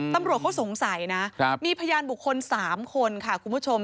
ตำรวจเขาสงสัยนะมีพยานบุคคล๓คนค่ะคุณผู้ชม